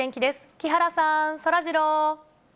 木原さん、そらジロー。